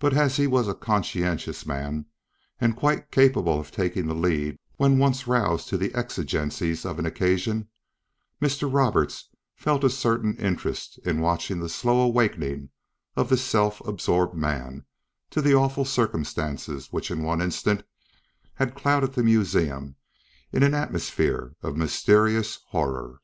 But as he was a conscientious man and quite capable of taking the lead when once roused to the exigencies of an occasion, Mr. Roberts felt a certain interest in watching the slow awakening of this self absorbed man to the awful circumstances which in one instant had clouded the museum in an atmosphere of mysterious horror.